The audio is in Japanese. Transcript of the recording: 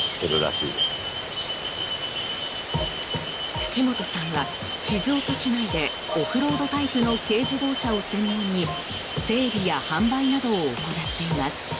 土本さんは静岡市内でオフロードタイプの軽自動車を専門に整備や販売などを行っています。